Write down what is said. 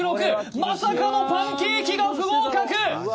まさかのパンケーキが不合格！